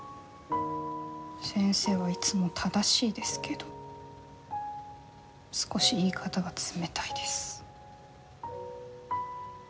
先生はいつも正しいですけど少し言い方が冷たいです。